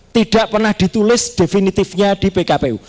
tidak pernah ditulis definitifnya di pkpu